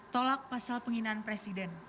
tolak pasal penghinaan presiden